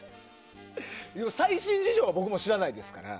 最新事情は僕も知らないですから。